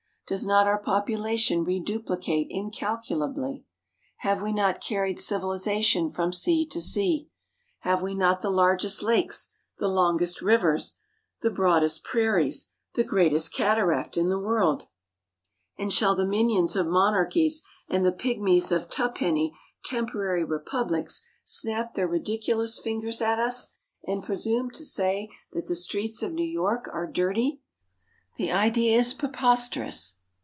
Does not our population reduplicate incalculably? Have we not carried civilization from sea to sea? Have we not the largest lakes, the longest rivers, the broadest prairies, the greatest cataract, in the world? And shall the minions of monarchies and the pigmies of tuppenny temporary republics snap their ridiculous fingers at us, and presume to say that the streets of New York are dirty? The idea is preposterous.